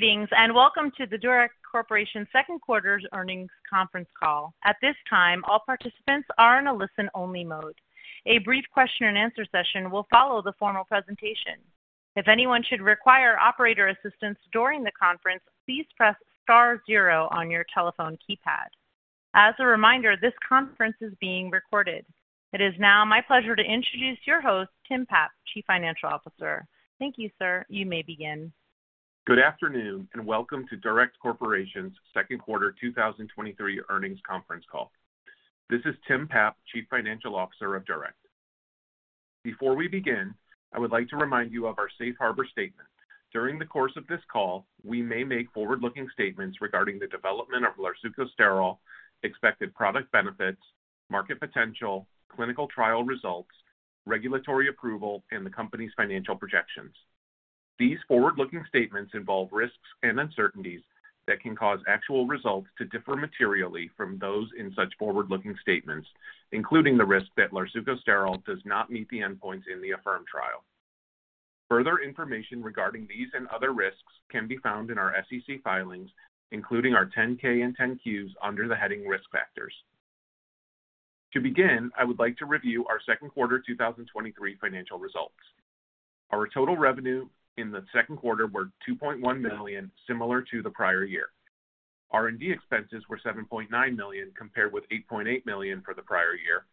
Greetings, welcome to the DURECT Corporation Second Quarter Earnings Conference Call. At this time, all participants are in a listen-only mode. A brief question and answer session will follow the formal presentation. If anyone should require operator assistance during the conference, please press star zero on your telephone keypad. As a reminder, this conference is being recorded. It is now my pleasure to introduce your host, Tim Papp, Chief Financial Officer. Thank you, sir. You may begin. Good afternoon, and welcome to DURECT Corporation's second quarter 2023 earnings conference call. This is Tim Papp, Chief Financial Officer of DURECT. Before we begin, I would like to remind you of our safe harbor statement. During the course of this call, we may make forward-looking statements regarding the development of Larsucosterol, expected product benefits, market potential, clinical trial results, regulatory approval, and the company's financial projections. These forward-looking statements involve risks and uncertainties that can cause actual results to differ materially from those in such forward-looking statements, including the risk that Larsucosterol does not meet the endpoints in the AFFIRM trial. Further information regarding these and other risks can be found in our SEC filings, including our 10-K and 10-Qs, under the heading Risk Factors. To begin, I would like to review our second quarter 2023 financial results. Our total revenue in the second quarter were $2.1 million, similar to the prior year. R&D expenses were $7.9 million, compared with $8.8 million for the prior year.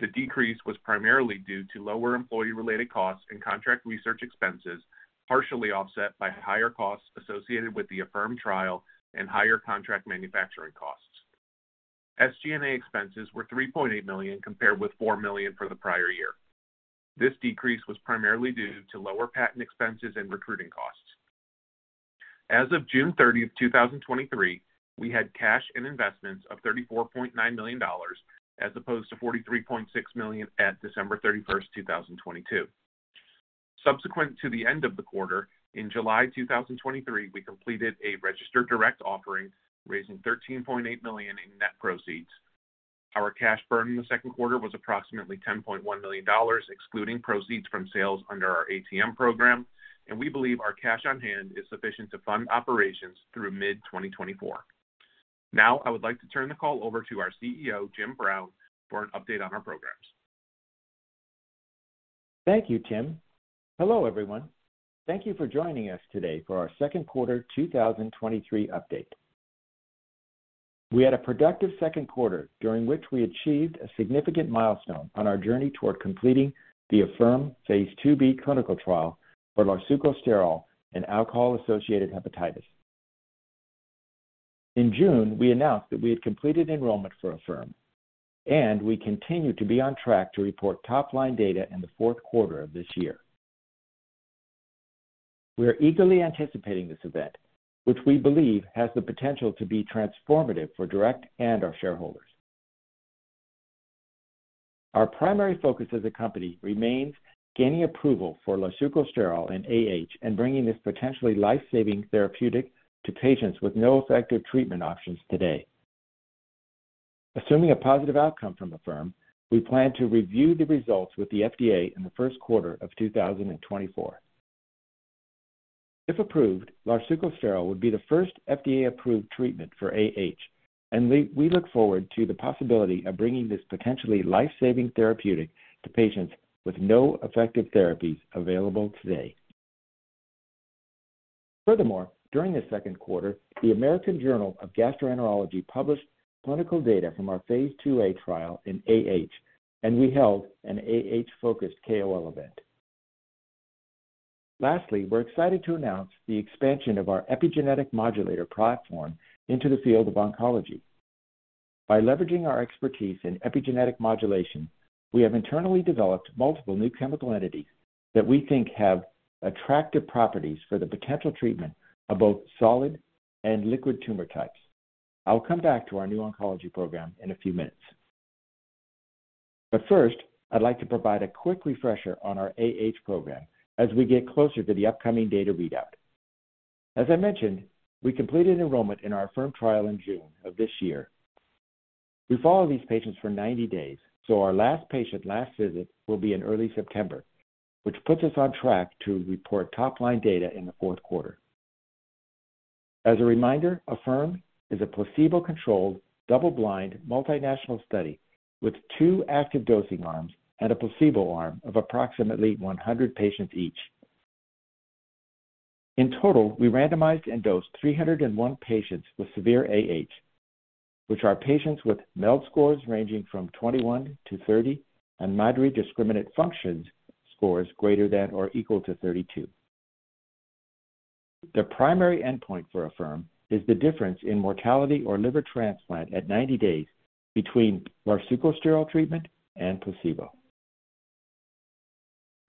The decrease was primarily due to lower employee-related costs and contract research expenses, partially offset by higher costs associated with the AFFIRM trial and higher contract manufacturing costs. SG&A expenses were $3.8 million, compared with $4 million for the prior year. This decrease was primarily due to lower patent expenses and recruiting costs. As of June 30th, 2023, we had cash and investments of $34.9 million, as opposed to $43.6 million at December 31st, 2022. Subsequent to the end of the quarter, in July 2023, we completed a registered direct offering, raising $13.8 million in net proceeds. Our cash burn in the second quarter was approximately $10.1 million, excluding proceeds from sales under our ATM program. We believe our cash on hand is sufficient to fund operations through mid-2024. Now, I would like to turn the call over to our CEO, Jim Brown, for an update on our programs. Thank you, Tim. Hello, everyone. Thank you for joining us today for our second quarter 2023 update. We had a productive second quarter, during which we achieved a significant milestone on our journey toward completing the AFFIRM Phase 2b clinical trial for Larsucosterol and alcohol-associated hepatitis. In June, we announced that we had completed enrollment for AFFIRM, and we continue to be on track to report top-line data in the fourth quarter of this year. We are eagerly anticipating this event, which we believe has the potential to be transformative for DURECT and our shareholders. Our primary focus as a company remains gaining approval for Larsucosterol and AH, and bringing this potentially life-saving therapeutic to patients with no effective treatment options today. Assuming a positive outcome from AFFIRM, we plan to review the results with the FDA in the first quarter of 2024. If approved, Larsucosterol would be the first FDA-approved treatment for AH, and we look forward to the possibility of bringing this potentially life-saving therapeutic to patients with no effective therapies available today. Furthermore, during the second quarter, the American Journal of Gastroenterology published clinical data from our Phase 2a trial in AH, and we held an AH-focused KOL event. Lastly, we're excited to announce the expansion of our epigenetic modulator platform into the field of oncology. By leveraging our expertise in epigenetic modulation, we have internally developed multiple new chemical entities that we think have attractive properties for the potential treatment of both solid and liquid tumor types. I'll come back to our new oncology program in a few minutes. First, I'd like to provide a quick refresher on our AH program as we get closer to the upcoming data readout. As I mentioned, we completed enrollment in our AFFIRM trial in June of this year. We follow these patients for 90 days, so our last patient, last visit will be in early September, which puts us on track to report top-line data in the fourth quarter. As a reminder, AFFIRM is a placebo-controlled, double-blind, multinational study with two active dosing arms and a placebo arm of approximately 100 patients each. In total, we randomized and dosed 301 patients with severe AH, which are patients with MELD scores ranging from 21-30 and Maddrey's Discriminant Function scores greater than or equal to 32. The primary endpoint for AFFIRM is the difference in mortality or liver transplant at 90 days between Larsucosterol treatment and placebo.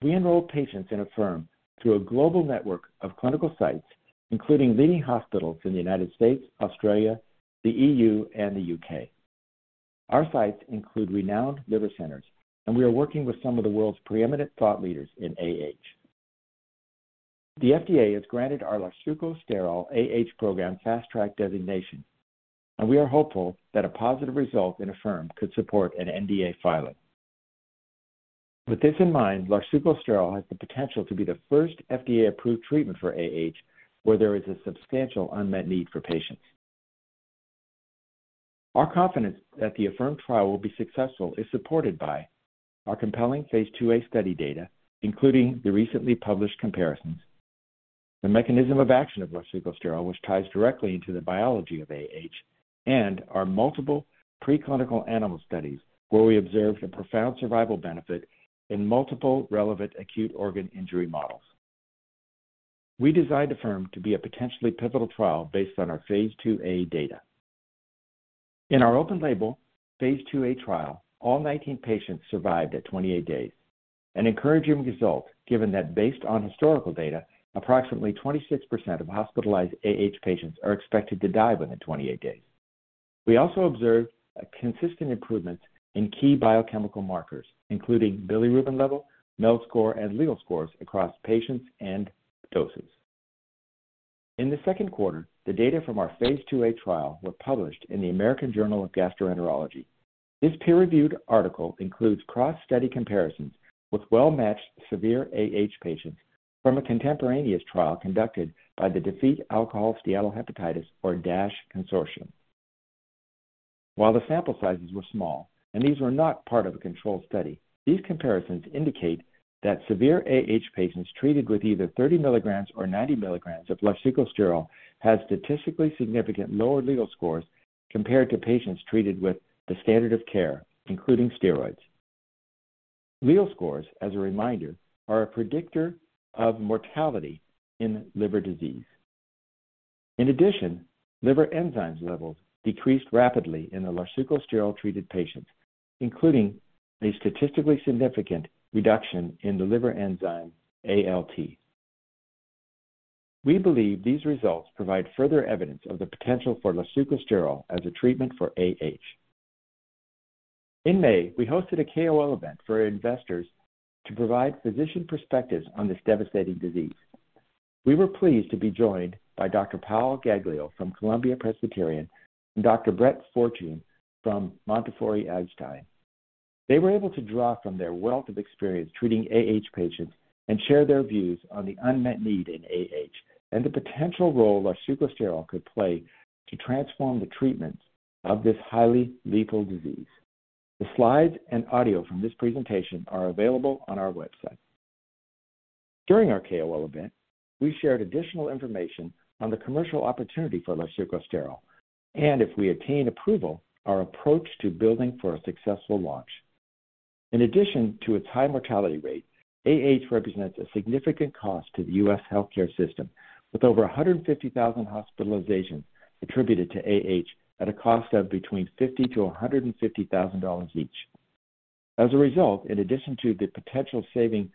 We enroll patients in AFFIRM through a global network of clinical sites, including leading hospitals in the United States, Australia, the EU, and the UK. Our sites include renowned liver centers, and we are working with some of the world's preeminent thought leaders in AH. The FDA has granted our Larsucosterol AH program Fast Track designation, and we are hopeful that a positive result in AFFIRM could support an NDA filing.... With this in mind, Larsucosterol has the potential to be the first FDA-approved treatment for AH, where there is a substantial unmet need for patients. Our confidence that the AFFIRM trial will be successful is supported by our compelling Phase 2a study data, including the recently published comparisons, the mechanism of action of Larsucosterol, which ties directly into the biology of AH, and our multiple preclinical animal studies, where we observed a profound survival benefit in multiple relevant acute organ injury models. We designed AFFIRM to be a potentially pivotal trial based on our Phase 2a data. In our open label Phase 2a trial, all 19 patients survived at 28 days, an encouraging result, given that based on historical data, approximately 26% of hospitalized AH patients are expected to die within 28 days. We also observed a consistent improvement in key biochemical markers, including bilirubin level, MELD score, and Lille scores across patients and doses. In the second quarter, the data from our Phase 2a trial were published in the American Journal of Gastroenterology. This peer-reviewed article includes cross-study comparisons with well-matched severe AH patients from a contemporaneous trial conducted by the Defeat Alcoholic Steatohepatitis, or DASH Consortium. While the sample sizes were small, and these were not part of a controlled study, these comparisons indicate that severe AH patients treated with either 30 milligrams or 90 milligrams of Larsucosterol had statistically significant lower Lille scores compared to patients treated with the standard of care, including steroids. Lille scores, as a reminder, are a predictor of mortality in liver disease. In addition, liver enzymes levels decreased rapidly in the Larsucosterol-treated patients, including a statistically significant reduction in the liver enzyme ALT. We believe these results provide further evidence of the potential for Larsucosterol as a treatment for AH. In May, we hosted a KOL event for investors to provide physician perspectives on this devastating disease. We were pleased to be joined by Dr. Paul Gaglio from Columbia University Irving Medical Center and Dr. Brett Fortune from Montefiore Einstein. They were able to draw from their wealth of experience treating AH patients and share their views on the unmet need in AH and the potential role larsucosterol could play to transform the treatment of this highly lethal disease. The slides and audio from this presentation are available on our website. During our KOL event, we shared additional information on the commercial opportunity for larsucosterol, and if we obtain approval, our approach to building for a successful launch. In addition to its high mortality rate, AH represents a significant cost to the U.S. healthcare system, with over 150,000 hospitalizations attributed to AH at a cost of between $50,000-$150,000 each. As a result, in addition to the potential saving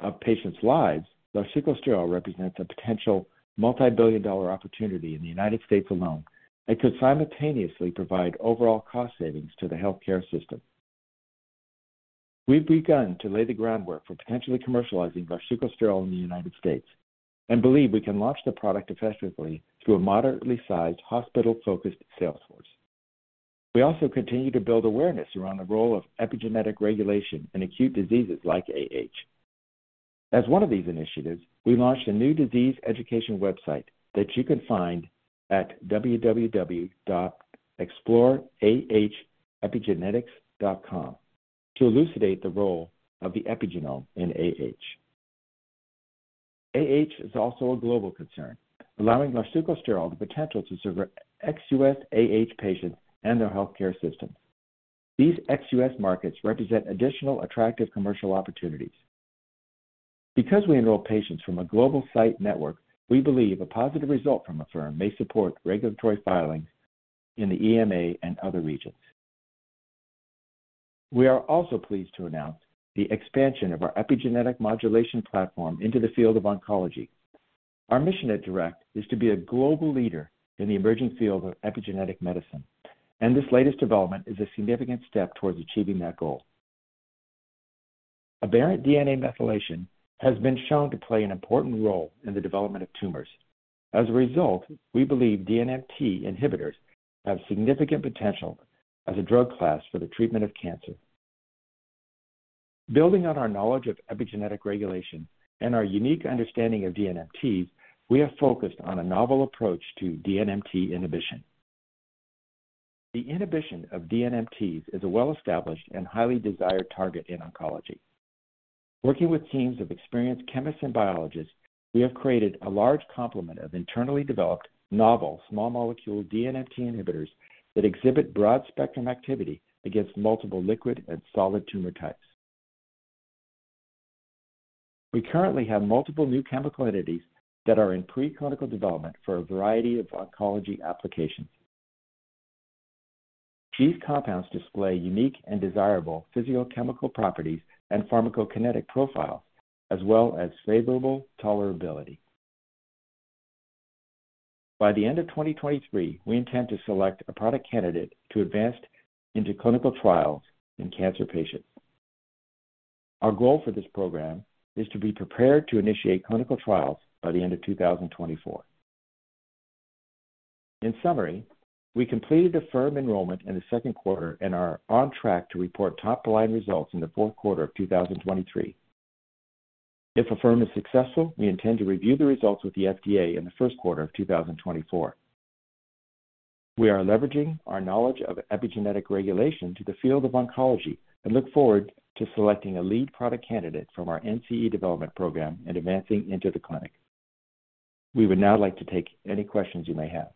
of patients' lives, larsucosterol represents a potential multibillion-dollar opportunity in the United States alone and could simultaneously provide overall cost savings to the healthcare system. We've begun to lay the groundwork for potentially commercializing larsucosterol in the United States and believe we can launch the product effectively through a moderately sized, hospital-focused sales force. We also continue to build awareness around the role of epigenetic regulation in acute diseases like AH. As one of these initiatives, we launched a new disease education website that you can find at www.exploreAHEpigenetics.com to elucidate the role of the epigenome in AH. AH is also a global concern, allowing larsucosterol the potential to serve ex-US AH patients and their healthcare systems. These ex-US markets represent additional attractive commercial opportunities. Because we enroll patients from a global site network, we believe a positive result from AFFIRM may support regulatory filings in the EMA and other regions. We are also pleased to announce the expansion of our epigenetic modulation platform into the field of oncology. Our mission at DURECT is to be a global leader in the emerging field of epigenetic medicine, and this latest development is a significant step towards achieving that goal. Aberrant DNA methylation has been shown to play an important role in the development of tumors. As a result, we believe DNMT inhibitors have significant potential as a drug class for the treatment of cancer. Building on our knowledge of epigenetic regulation and our unique understanding of DNMT, we have focused on a novel approach to DNMT inhibition. The inhibition of DNMT well-established and highly desired target in oncology. Working with teams of experienced chemists and biologists, we have created a large complement of internally developed novel small molecule DNMT inhibitors that exhibit broad-spectrum activity against multiple liquid and solid tumor types. We currently have multiple new chemical entities that are in preclinical development for a variety of oncology applications. These compounds display unique and desirable physicochemical properties and pharmacokinetic profile, as well as favorable tolerability. By the end of 2023, we intend to select a product candidate to advance into clinical trials in cancer patients. Our goal for this program is to be prepared to initiate clinical trials by the end of 2024. In summary, we completed AFFIRM enrollment in the second quarter and are on track to report top-line results in the fourth quarter of 2023. If AFFIRM is successful, we intend to review the results with the FDA in the first quarter of 2024. We are leveraging our knowledge of epigenetic regulation to the field of oncology and look forward to selecting a lead product candidate from our NCE development program and advancing into the clinic. We would now like to take any questions you may have.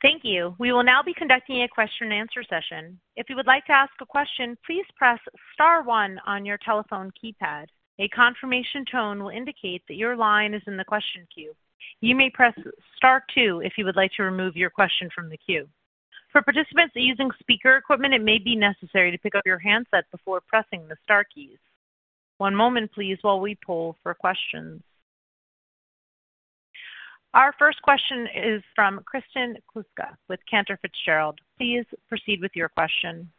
Thank you. We will now be conducting a question and answer session. If you would like to ask a question, please press star one on your telephone keypad. A confirmation tone will indicate that your line is in the question queue. You may press star two if you would like to remove your question from the queue. For participants using speaker equipment, it may be necessary to pick up your handset before pressing the star keys. One moment, please, while we poll for questions. Our first question is from Kristen Kluska with Cantor Fitzgerald. Please proceed with your question.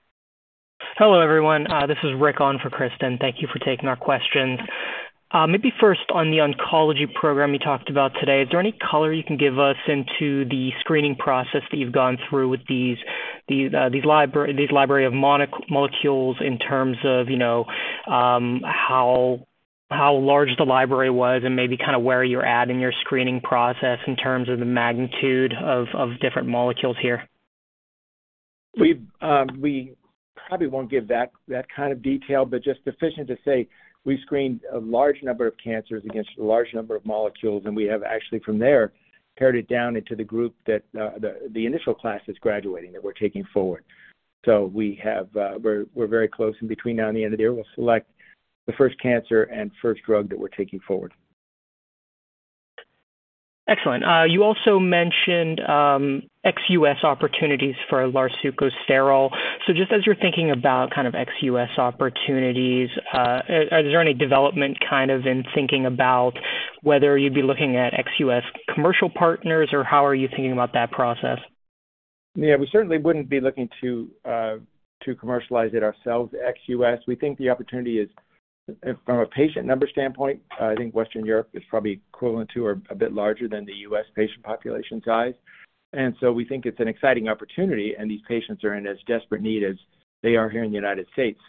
Hello, everyone. This is Rick on for Kristen. Thank you for taking our questions. Maybe first on the oncology program you talked about today, is there any color you can give us into the screening process that you've gone through with these, these, these library, these library of molecules in terms of, you know, how, how large the library was and maybe kind of where you're at in your screening process in terms of the magnitude of, of different molecules here? We probably won't give that, that kind of detail, but just sufficient to say we screened a large number of cancers against a large number of molecules, and we have actually from there, pared it down into the group that, the initial class is graduating, that we're taking forward. We have, we're very close in between. Now, in the end of the year, we'll select the first cancer and first drug that we're taking forward. Excellent. You also mentioned ex US opportunities for Larsucosterol. Just as you're thinking about kind of ex US opportunities, is there any development kind of in thinking about whether you'd be looking at ex US commercial partners, or how are you thinking about that process? Yeah, we certainly wouldn't be looking to to commercialize it ourselves, ex U.S. We think the opportunity is from a patient number standpoint, I think Western Europe is probably equivalent to or a bit larger than the U.S. patient population size. We think it's an exciting opportunity, and these patients are in as desperate need as they are here in the United States.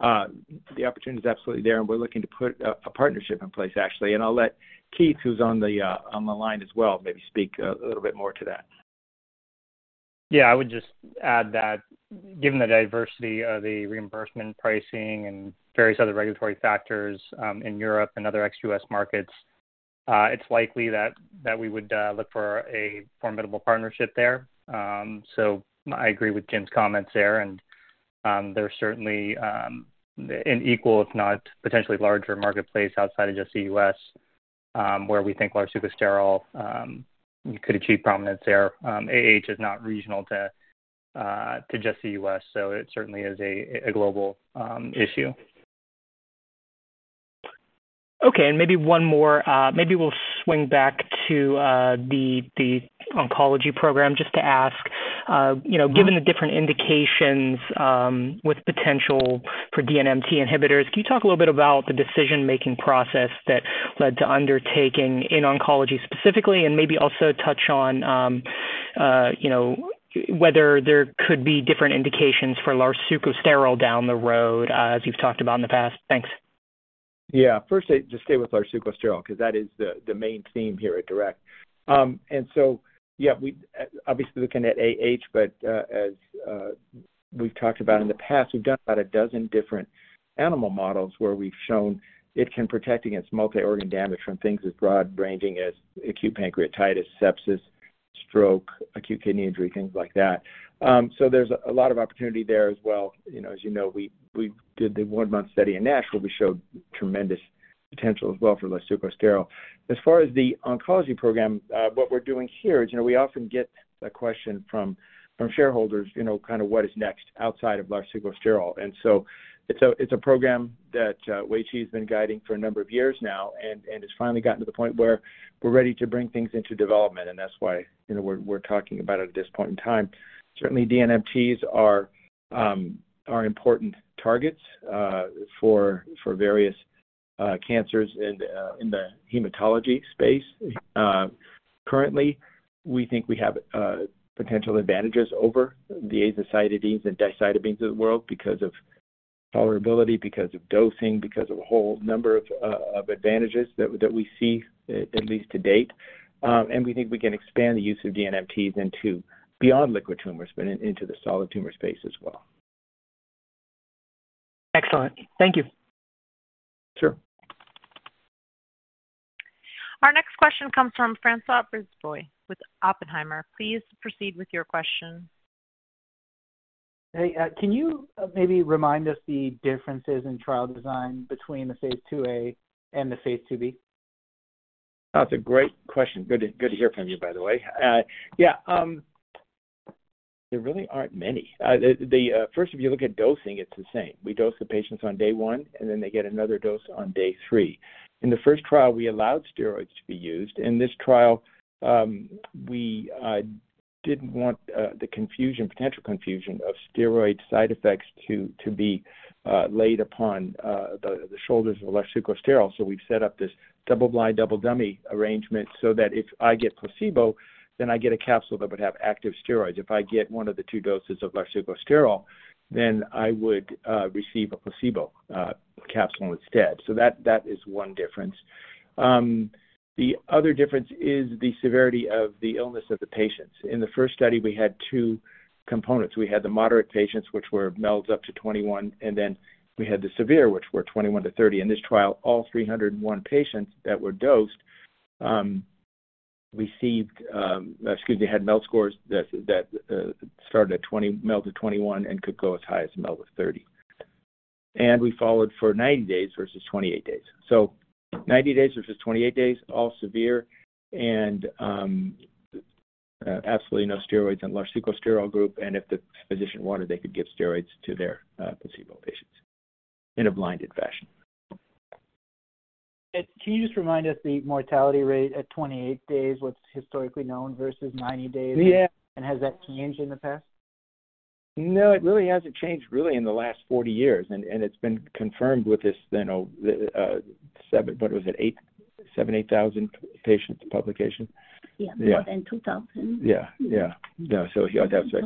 The opportunity is absolutely there, and we're looking to put a partnership in place, actually, and I'll let Keith, who's on the line as well, maybe speak a little bit more to that. Yeah, I would just add that given the diversity of the reimbursement, pricing, and various other regulatory factors, in Europe and other ex-U.S. markets, it's likely that, that we would look for a formidable partnership there. So I agree with Jim's comments there. There's certainly an equal, if not potentially larger, marketplace outside of just the U.S., where we think Larsucosterol could achieve prominence there. AH is not regional to just the U.S., so it certainly is a, a global issue. Okay, and maybe one more. Maybe we'll swing back to the oncology program, just to ask, you know, given the different indications, with potential for DNMT inhibitors, can you talk a little bit about the decision-making process that led to undertaking in oncology specifically, and maybe also touch on, you know, whether there could be different indications for Larsucosterol down the road, as you've talked about in the past? Thanks. Yeah. First, I just stay with larsucosterol because that is the, the main theme here at DURECT. So, yeah, we obviously looking at AH, but as we've talked about in the past, we've done about a dozen different animal models where we've shown it can protect against multi-organ damage from things as broad-ranging as acute pancreatitis, sepsis, stroke, acute kidney injury, things like that. There's a lot of opportunity there as well. You know, as you know, we, we did the one-month study in NASH, where we showed tremendous potential as well for larsucosterol. As far as the oncology program, what we're doing here is, you know, we often get a question from shareholders, you know, kind of what is next outside of larsucosterol. It's a program that Wei has been guiding for a number of years now, and it's finally gotten to the point where we're ready to bring things into development, and that's why, you know, we're talking about it at this point in time. Certainly, DNMTs are important targets for various cancers in the hematology space. Currently, we think we have potential advantages over the azacitidine and decitabine of the world because of tolerability, because of dosing, because of a whole number of advantages that we see, at least to date. We think we can expand the use of DNMT then to beyond liquid tumors, but into the solid tumor space as well. Excellent. Thank you. Sure. Our next question comes from François Brisebois with Oppenheimer & Co. Please proceed with your question. Hey, can you maybe remind us the differences in trial design between the Phase 2a and the Phase 2b? That's a great question. Good to, good to hear from you, by the way. Yeah, there really aren't many. The, the, first, if you look at dosing, it's the same. We dose the patients on day one, and then they get another dose on day three. In the first trial, we allowed steroids to be used. In this trial, we didn't want the confusion, potential confusion of steroid side effects to be laid upon the shoulders of Larsucosterol. We've set up this double-blind, double-dummy arrangement so that if I get placebo, then I get a capsule that would have active steroids. If I get one of the two doses of Larsucosterol, then I would receive a placebo capsule instead. That, that is 1 difference. The other difference is the severity of the illness of the patients. In the first study, we had two components. We had the moderate patients, which were MELDs up to 21, and then we had the severe, which were 21 to 30. In this trial, all 301 patients that were dosed had MELD scores that MELD of 21 and could go as high as MELD of 30. We followed for 90 days versus 28 days. 90 days versus 28 days, all severe, and absolutely no steroids in Larsucosterol group, and if the physician wanted, they could give steroids to their placebo patients in a blinded fashion. Can you just remind us the mortality rate at 28 days, what's historically known versus 90 days? Yeah. Has that changed in the past? No, it really hasn't changed really in the last 40 years, and it's been confirmed with this, you know, seven.. what was it? 8,780 patient publication. Yeah. Yeah. More than 2,000. Yeah, yeah. Yeah, that's right.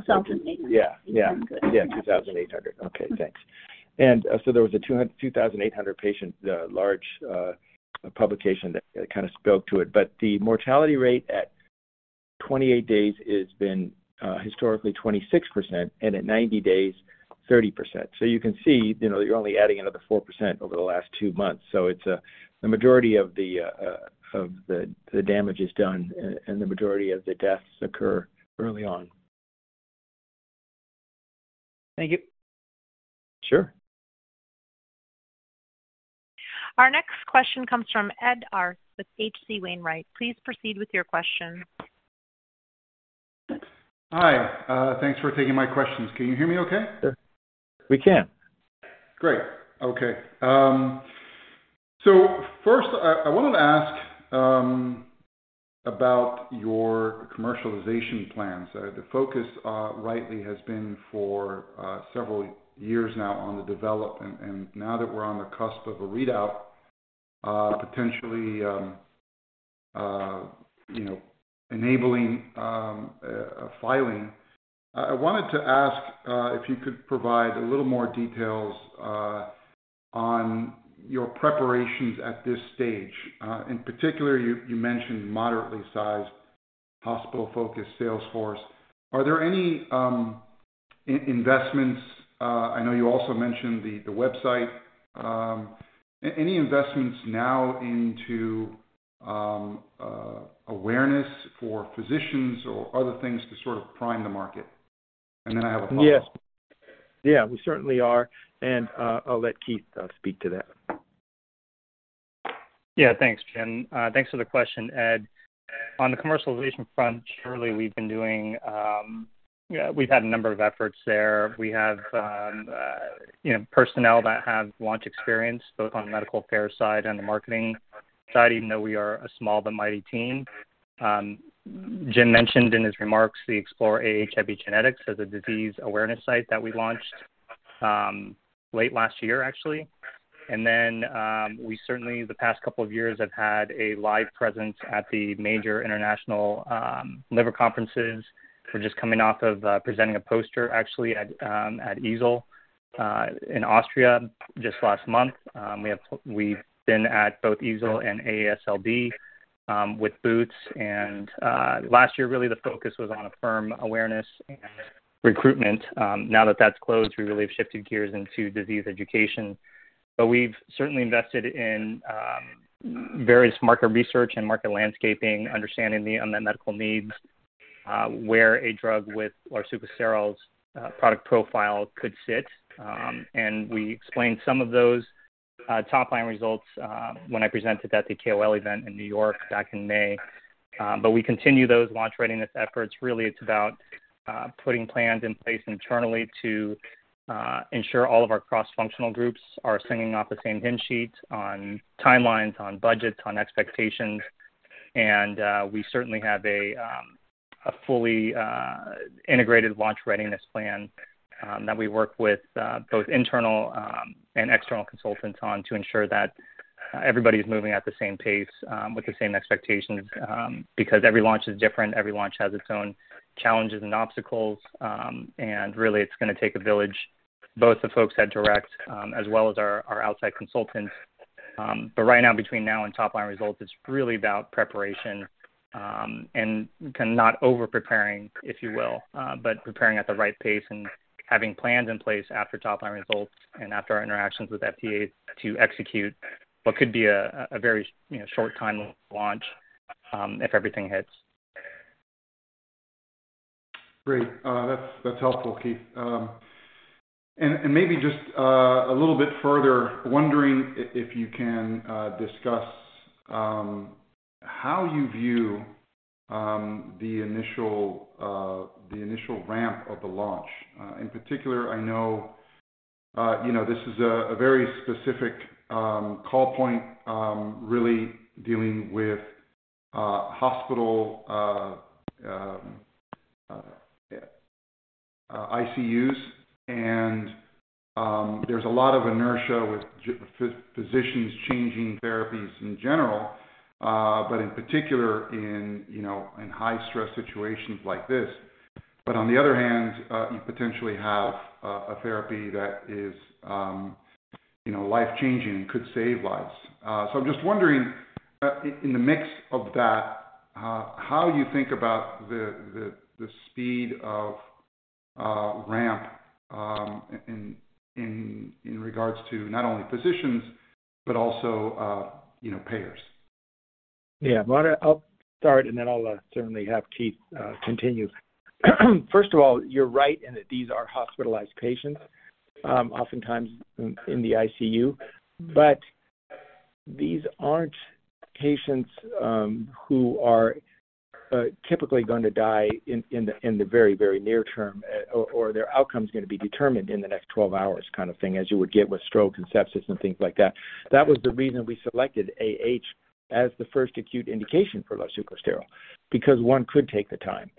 2,800. Yeah, yeah. Good. Yeah, 2,800. Okay, thanks. There was a 200--2,800 patient, large, publication that kind of spoke to it. The mortality rate at 28 days has been, historically 26%, and at 90 days, 30%. You can see, you know, you're only adding another 4% over the last two months. It's, the majority of the, of the, the damage is done and, and the majority of the deaths occur early on. Thank you. Sure. Our next question comes from Ed Arce with H.C. Wainwright. Please proceed with your question. Hi, thanks for taking my questions. Can you hear me okay? Sure, we can. Great. Okay. So first, I, I wanted to ask about your commercialization plans. The focus rightly has been for several years now on the development, and now that we're on the cusp of a readout, potentially, you know, enabling, a, a filing. I, I wanted to ask if you could provide a little more details on your preparations at this stage. In particular, you, you mentioned moderately sized hospital-focused sales force. Are there any investments? I know you also mentioned the, the website. Any investments now into awareness for physicians or other things to sort of prime the market? Then I have a follow-up. Yes. Yeah, we certainly are, and I'll let Keith speak to that. Yeah. Thanks, Jim. Thanks for the question, Ed. On the commercialization front, surely we've been doing... Yeah, we've had a number of efforts there. We have, you know, personnel that have launch experience, both on the medical affairs side and the marketing side, even though we are a small but mighty team. Jim mentioned in his remarks the Explore AH Epigenetics as a disease awareness site that we launched late last year, actually. Then, we certainly, in the past couple of years, have had a live presence at the major international liver conferences. We're just coming off of presenting a poster actually at EASL in Austria just last month. We have-- we've been at both EASL and AASLD with booths, and last year, really, the focus was on AFFIRM awareness and recruitment. Now that that's closed, we really have shifted gears into disease education. We've certainly invested in various market research and market landscaping, understanding the unmet medical needs, where a drug with Larsucosterol product profile could sit. We explained some of those top-line results when I presented at the KOL event in New York back in May. We continue those launch readiness efforts. Really, it's about putting plans in place internally to ensure all of our cross-functional groups are singing off the same hymn sheets on timelines, on budgets, on expectations. We certainly have a fully integrated launch readiness plan that we work with both internal and external consultants on to ensure that everybody's moving at the same pace with the same expectations, because every launch is different, every launch has its own challenges and obstacles. Really, it's gonna take a village, both the folks at DURECT, as well as our outside consultants. Right now, between now and top-line results, it's really about preparation and kind of not over-preparing, if you will, but preparing at the right pace and having plans in place after top-line results and after our interactions with FDA to execute what could be a very, you know, short time launch, if everything hits. Great. That's, that's helpful, Keith. And maybe just a little bit further, wondering if you can discuss how you view the initial, the initial ramp of the launch. In particular, I know, you know, this is a very specific call point, really dealing with hospital ICUs. There's a lot of inertia with physicians changing therapies in general, but in particular in, you know, in high-stress situations like this. On the other hand, you potentially have a therapy that is, you know, life-changing and could save lives. I'm just wondering in the mix of that, how you think about the, the, the speed of ramp in, in, in regards to not only physicians, but also, you know, payers? Yeah, well, I'll start, then I'll certainly have Keith continue. First of all, you're right in that these are hospitalized patients, oftentimes in the ICU. These aren't patients who are typically going to die in the very, very near term, or their outcome is going to be determined in the next 12 hours kind of thing, as you would get with stroke and sepsis and things like that. That was the reason we selected AH as the first acute indication for Larsucosterol, because one could take the time.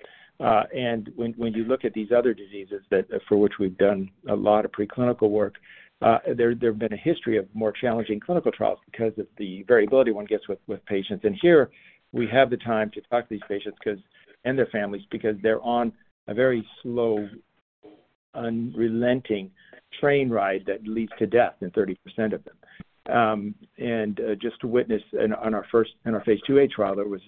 When, when you look at these other diseases that for which we've done a lot of preclinical work, there have been a history of more challenging clinical trials because of the variability one gets with patients. Here we have the time to talk to these patients because, and their families, because they're on a very slow, unrelenting train ride that leads to death in 30% of them. Just to witness on, on our first, in our Phase 2a trial, there was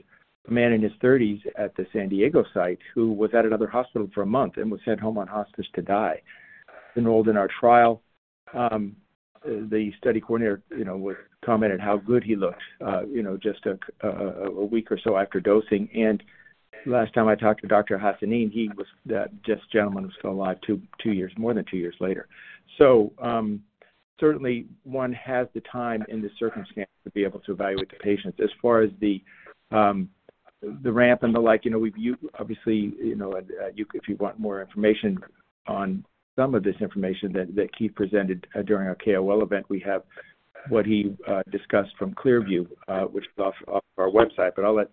a man in his 30s at the San Diego site who was at another hospital for a month and was sent home on hospice to die. Enrolled in our trial, the study coordinator, you know, would commented how good he looked, you know, just a, a, a week or so after dosing. Last time I talked to Dr. Hassanein, he was, that this gentleman was still alive two, two years, more than two years later. Certainly one has the time in this circumstance to be able to evaluate the patients. As far as the, the ramp and the like, you know, we've, you obviously, you know, If you want more information on some of this information that, that Keith presented, during our KOL event, we have what he discussed from ClearView, which is off, off our website, but I'll let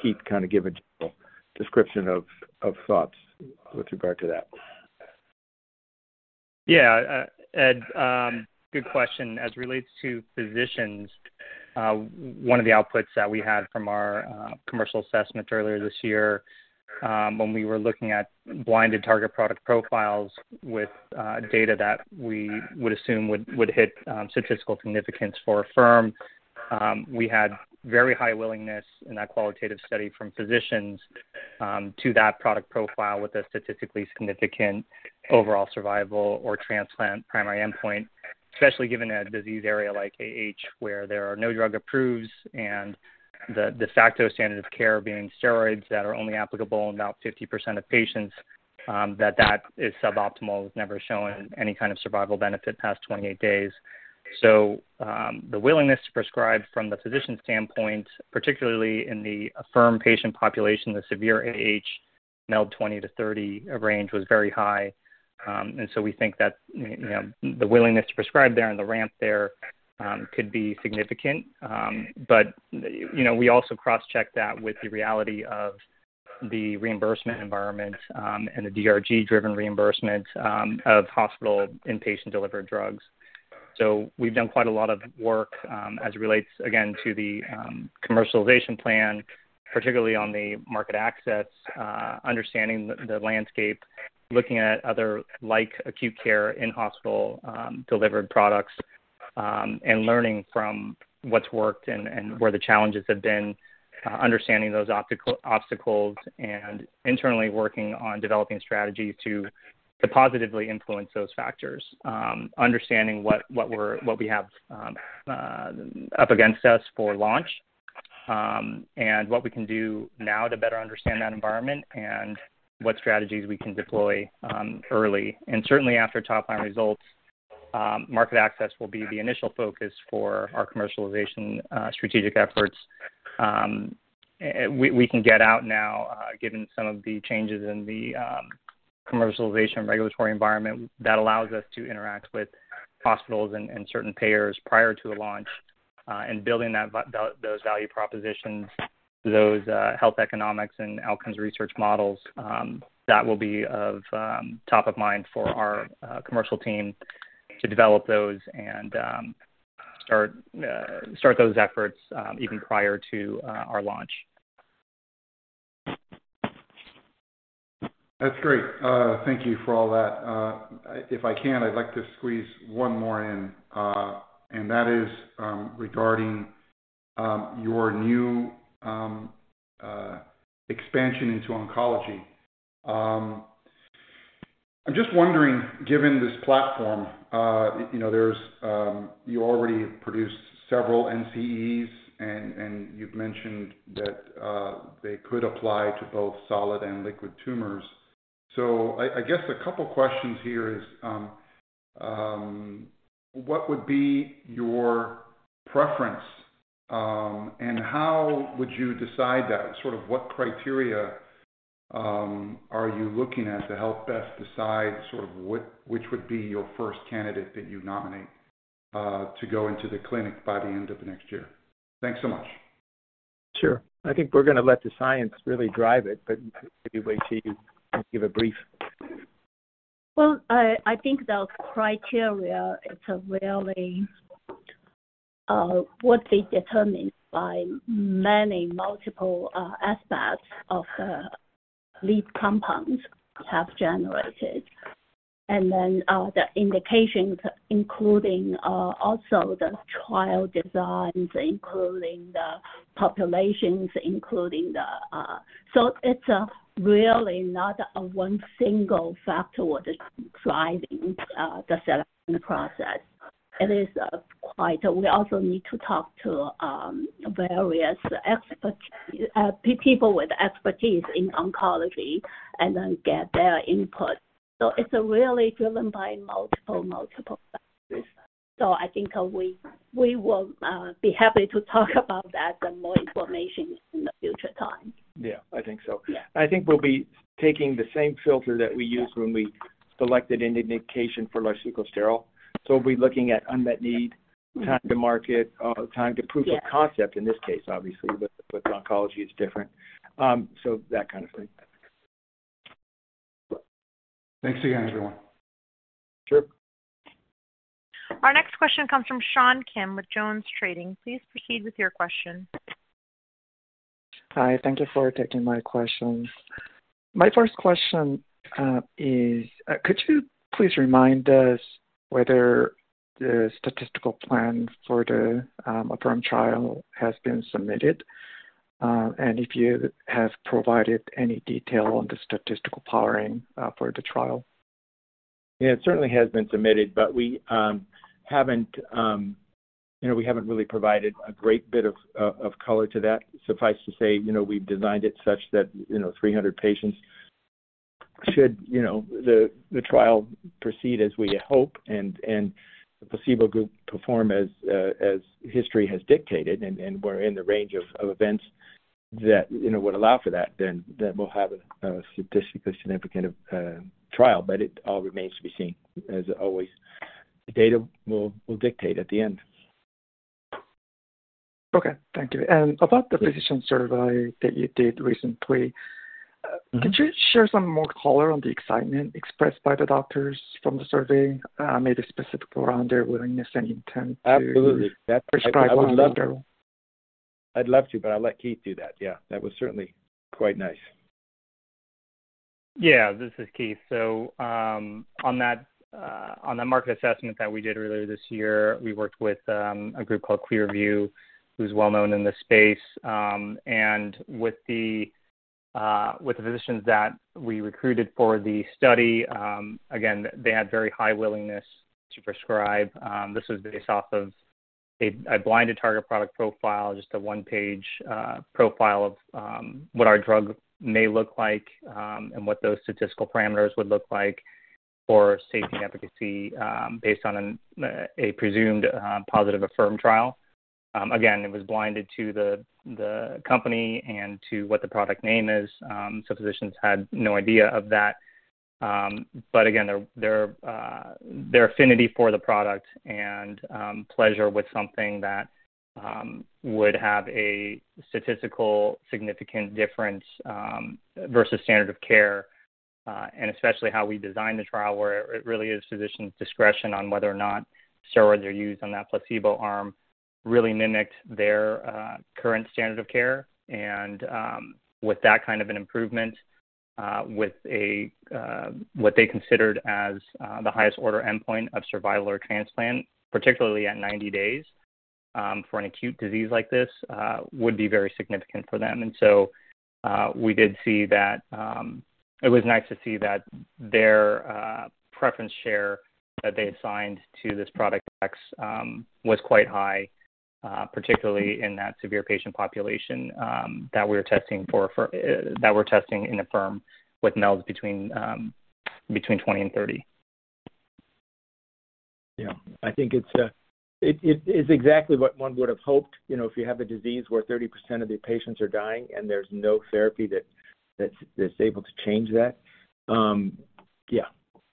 Keith kind of give a general description of, of thoughts with regard to that. Yeah, Ed, good question. As it relates to physicians, one of the outputs that we had from our commercial assessment earlier this year, when we were looking at blinded target product profiles with data that we would assume would hit statistical significance for AFFIRM, we had very high willingness in that qualitative study from physicians to that product profile with a statistically significant overall survival or transplant primary endpoint. Especially given a disease area like AH, where there are no drug approves and the de facto standard of care being steroids that are only applicable in about 50% of patients, that that is suboptimal, has never shown any kind of survival benefit past 28 days. The willingness to prescribe from the physician standpoint, particularly in the AFFIRM patient population, the severe AH MELD 20 to 30 range, was very high. We think that, you know, the willingness to prescribe there and the ramp there could be significant. You know, we also cross-check that with the reality of the reimbursement environment and the DRG-driven reimbursement of hospital inpatient delivered drugs. We've done quite a lot of work as it relates, again, to the commercialization plan, particularly on the market access, understanding the landscape, looking at other like acute care in-hospital delivered products, and learning from what's worked and where the challenges have been, understanding those obstacles and internally working on developing strategies to positively influence those factors. Understanding what, what we're what we have up against us for launch, and what we can do now to better understand that environment and what strategies we can deploy early. Certainly after top-line results, market access will be the initial focus for our commercialization strategic efforts. We, we can get out now, given some of the changes in the commercialization regulatory environment that allows us to interact with hospitals and certain payers prior to the launch, and building those value propositions, those health economics and outcomes research models, that will be of top of mind for our commercial team to develop those and start start those efforts even prior to our launch. That's great. Thank you for all that. If I can, I'd like to squeeze 1 more in, and that is, regarding your new expansion into oncology. I'm just wondering, given this platform, you know, there's... You already produced several NCEs, and you've mentioned that they could apply to both solid and liquid tumors. I guess two questions here is, what would be your preference? How would you decide that, sort of what criteria? Are you looking at to help best decide sort of what, which would be your 1st candidate that you nominate to go into the clinic by the end of next year? Thanks so much. Sure. I think we're going to let the science really drive it, but maybe WeiQi can give a brief. Well, I, I think the criteria, it's a really, what they determine by many multiple aspects of the lead compounds have generated. Then, the indications, including also the trial designs, including the populations, including the. It's really not a 1 single factor what is driving the selection process. It is quite. We also need to talk to various experts, people with expertise in oncology and then get their input. It's really driven by multiple, multiple factors. I think, we, we will be happy to talk about that and more information in the future time. Yeah, I think so. Yeah. I think we'll be taking the same filter that we used- Yeah -when we selected an indication for Larsucosterol. We'll be looking at unmet need, time to market, time to proof- Yeah of concept in this case, obviously, but with oncology, it's different. So that kind of thing. Thanks again, everyone. Sure. Our next question comes from Sean Kim with JonesTrading. Please proceed with your question. Hi, thank you for taking my questions. My first question, is, could you please remind us whether the statistical plan for the AFFIRM trial has been submitted, and if you have provided any detail on the statistical powering, for the trial? Yeah, it certainly has been submitted, we haven't, you know, we haven't really provided a great bit of color to that. Suffice to say, you know, we've designed it such that, you know, 300 patients should, you know, the trial proceed as we hope and the placebo group perform as history has dictated, and we're in the range of events that, you know, would allow for that, then we'll have a statistically significant trial. It all remains to be seen. As always, the data will dictate at the end. Okay, thank you. About the physician survey that you did recently. Mm-hmm. Could you share some more color on the excitement expressed by the doctors from the survey, maybe specifically around their willingness and intent to... Absolutely. -prescribe Larsucosterol? I'd love to, but I'll let Keith do that. Yeah, that was certainly quite nice. Yeah, this is Keith. On that on the market assessment that we did earlier this year, we worked with a group called ClearView, who's well-known in this space. With the with the physicians that we recruited for the study, again, they had very high willingness to prescribe. This was based off of a blinded target product profile, just a one-page profile of what our drug may look like, and what those statistical parameters would look like for safety and efficacy, based on a presumed positive AFFIRM trial. Again, it was blinded to the company and to what the product name is. Physicians had no idea of that. Again, their, their, their affinity for the product and pleasure with something that would have a statistical significant difference versus standard of care, and especially how we designed the trial, where it really is physician's discretion on whether or not steroids are used on that placebo arm, really mimicked their current standard of care. With that kind of an improvement, with a what they considered as the highest order endpoint of survival or transplant, particularly at 90 days, for an acute disease like this, would be very significant for them. So, we did see that. It was nice to see that their preference share that they assigned to this Product X was quite high, particularly in that severe patient population that we're testing for, for that we're testing in AFFIRM with MELD between 20 and 30. Yeah. I think it's, it, it, it's exactly what one would have hoped. You know, if you have a disease where 30% of the patients are dying and there's no therapy that, that, that's able to change that, yeah,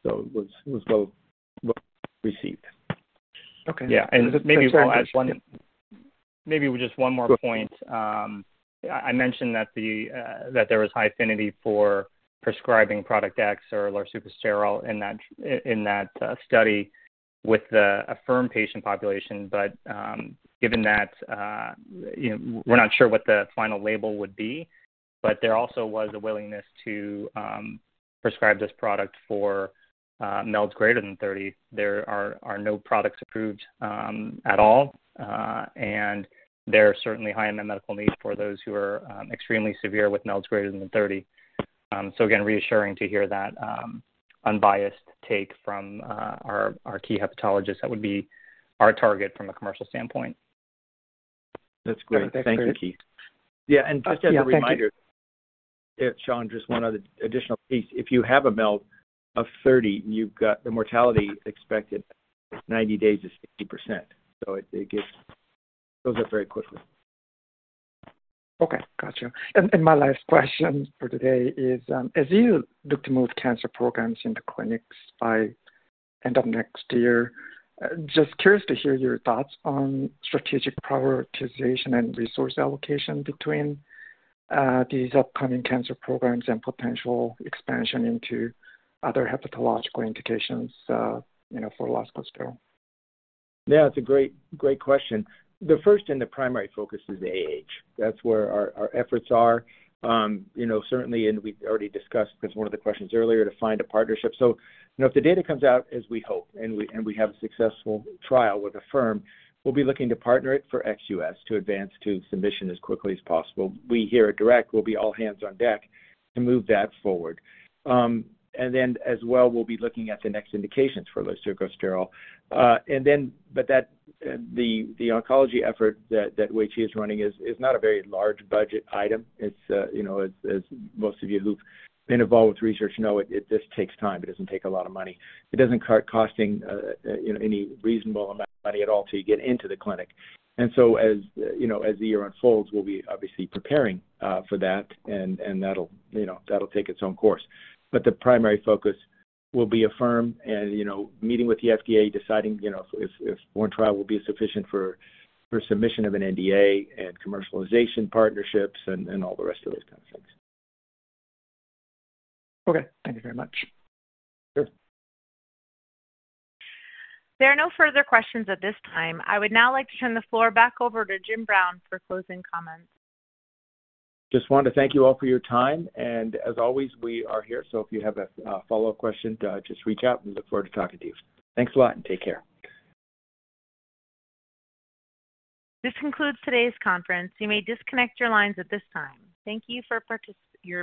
so it was, it was well, well received. Okay. Maybe we'll add one, maybe just one more point. I, I mentioned that the, that there was high affinity for prescribing Product X or Larsucosterol in that, in, in that study with the AFFIRM patient population. Given that, you know, we're not sure what the final label would be, but there also was a willingness to prescribe this product for MELD greater than 30. There are, are no products approved at all, and there are certainly high unmet medical needs for those who are extremely severe with MELDs greater than 30. Again, reassuring to hear that unbiased take from our, our key hepatologists. That would be our target from a commercial standpoint. That's great. Perfect. Thank you, Keith. Yeah, just as a reminder- Yeah, thank you. Sean, just one other additional piece. If you have a MELD of 30, you've got the mortality expected 90 days is 60%. Those are very quickly. Okay, gotcha. My last question for today is, as you look to move cancer programs into clinics by end of next year, just curious to hear your thoughts on strategic prioritization and resource allocation between these upcoming cancer programs and potential expansion into other hepatological indications, you know, for larsucosterol? Yeah, it's a great, great question. The first and the primary focus is the AH. That's where our, our efforts are. You know, certainly, and we've already discussed, because one of the questions earlier, to find a partnership. You know, if the data comes out as we hope, and we, and we have a successful trial with AFFIRM, we'll be looking to partner it for ex-US to advance to submission as quickly as possible. We here at DURECT, will be all hands on deck to move that forward. As well, we'll be looking at the next indications for Larsucosterol. That, the, the oncology effort that, that WeiQi is running is, is not a very large budget item. It's, you know, as, as most of you who've been involved with research know, it, it just takes time. It doesn't take a lot of money. It doesn't cost, costing, you know, any reasonable amount of money at all till you get into the clinic. So, as, you know, as the year unfolds, we'll be obviously preparing for that, and that'll, you know, that'll take its own course. But the primary focus will be AFFIRM and, you know, meeting with the FDA, deciding, you know, if, if one trial will be sufficient for, for submission of an NDA and commercialization partnerships and all the rest of those kind of things. Okay. Thank you very much. Sure. There are no further questions at this time. I would now like to turn the floor back over to Jim Brown for closing comments. Just wanted to thank you all for your time, and as always, we are here. If you have a, a follow-up question, just reach out, and we look forward to talking to you. Thanks a lot, and take care. This concludes today's conference. You may disconnect your lines at this time. Thank you for participating.